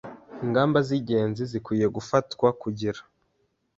ingamba z’ingenzi zikwiye gufatwa kugira